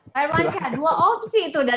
pak irmansyah dua opsi itu